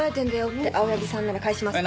って青柳さんなら返しますね。